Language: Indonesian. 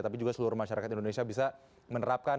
tapi juga seluruh masyarakat indonesia bisa menerapkan